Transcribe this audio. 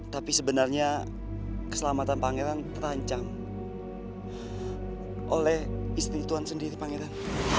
tapi sebenarnya keselamatan pangeran terancam oleh istri tuhan sendiri pangeran